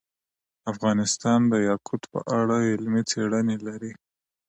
افغانستان د یاقوت په اړه علمي څېړنې لري.